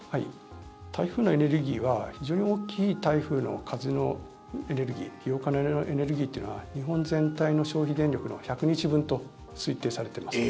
台風のエネルギーは非常に大きい台風の風のエネルギー利用可能エネルギーというのは日本全体の消費電力の１００日分と推定されています。